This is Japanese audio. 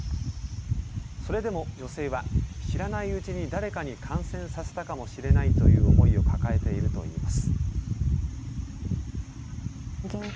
それでも女性は知らないうちに誰かに感染させたかもしれないという思いを抱えているといいます。